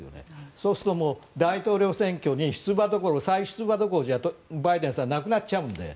そうすると、もう大統領選挙に再出馬どころじゃバイデンさんはなくなっちゃうので。